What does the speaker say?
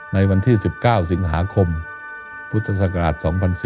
ในวันที่๑๙สิงหาคมพุทธศักราช๒๔๙